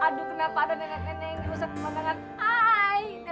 aduh kenapa ada nenek nenek yang usap pemandangan ayah